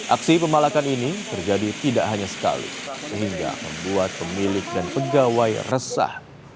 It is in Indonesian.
aksi pemalakan ini terjadi tidak hanya sekali sehingga membuat pemilik dan pegawai resah